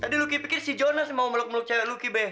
tadi luki pikir si jonas mau meluk meluk luki deh